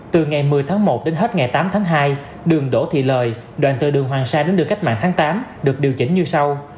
từ ngày một mươi tháng một đến hết ngày tám tháng hai đường đỗ thị lời đoạn từ đường hoàng sa đến đường cách mạng tháng tám được điều chỉnh như sau